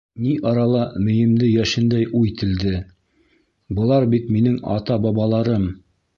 Ни арала мейемде йәшендәй уй телде: былар бит минең ата-бабаларым!!!